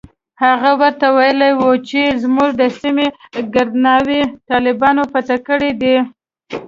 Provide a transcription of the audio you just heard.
هغه ورته ويلي و چې زموږ د سيمې ګردې ناوې طالبانو فتح کړي دي.